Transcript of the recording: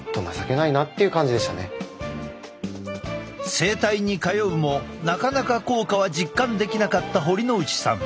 整体に通うもなかなか効果は実感できなかった堀之内さん。